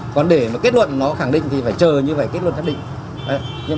còn để kết luận nó khẳng định thì phải chờ như vậy kết luận nhất định